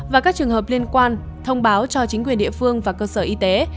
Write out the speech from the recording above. và các trường hợp liên quan thông báo cho chính quyền địa phương và cơ sở y tế